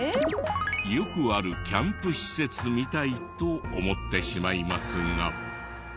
よくあるキャンプ施設みたいと思ってしまいますが。